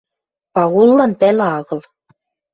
— Пагуллан пӓлӹ агыл.